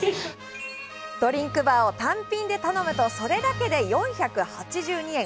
ドリンクバーを単品で頼むと、それだけで４８０円。